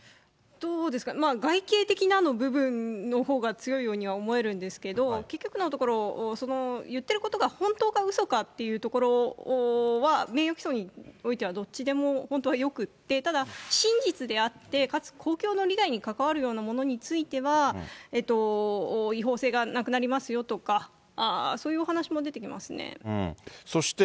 どうですか、外形的なの部分のほうが強いようには思えるんですけど、結局のところ、言ってることが本当かうそかというところは名誉毀損においてはどっちでも本当はよくて、ただ、真実であって、かつ公共の利害に関わるようなものについては、違法性がなくなりますよとか、そういうお話も出てきますね。